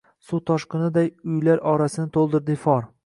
suv toshqiniday uylar orasini toʼldirdi ifor